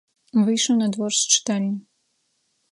Выйшаў на двор з чытальні.